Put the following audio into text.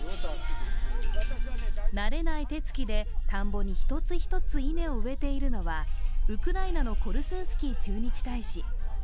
慣れない手つきで田んぼに１つ１つ稲を植えているのはウクライナのコルスンスキー駐日大使。